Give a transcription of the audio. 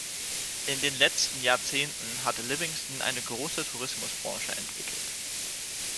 In den letzten Jahrzehnten hat Livingston eine große Tourismusbranche entwickelt.